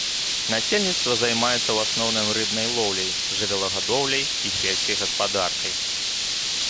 Насельніцтва займаецца ў асноўным рыбнай лоўляй, жывёлагадоўляй і сельскай гаспадаркай.